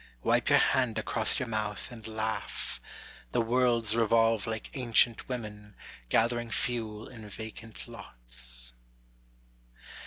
Wipe your hand across your mouth, and laugh; The worlds revolve like ancient women Gathering fuel in vacant lots.